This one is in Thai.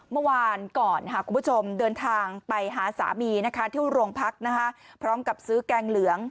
เมื่อวานก่อนคุณผู้ชมเดินทางไปหาสามีนะคะที่โรงพักพร้อมกับซื้อแกงเหลือง